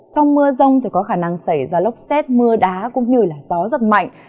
trong mưa rông thì có khả năng xảy ra lốc xét mưa đá cũng như gió rất mạnh